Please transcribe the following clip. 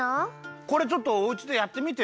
これちょっとおうちでやってみてよ。